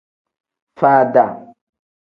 Faada.